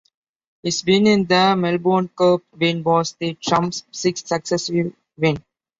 His win in the Melbourne Cup win was The Trump's sixth successive win.